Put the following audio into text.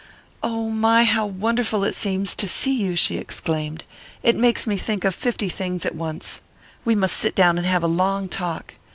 "Oh, my, how wonderful it seems to see you!" she exclaimed. "It makes me think of fifty things at once. We must sit down and have a long talk.